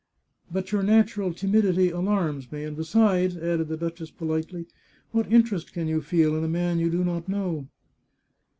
" But your natural timidity alarms me ; and besides," added the duchess politely, " what interest can you feel in a man you do not know